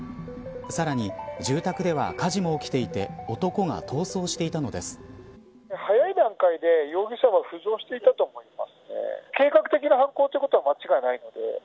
さらに住宅では火事も起きていて男は逃走していたのです。